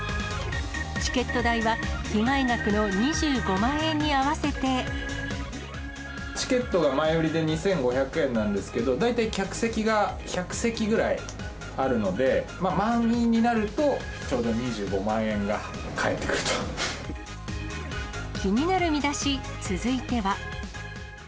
チケット代は、チケットが前売りで２５００円なんですけど、大体客席が１００席ぐらいあるので、満員になると、ちょうど２５気になるミダシ、続いては。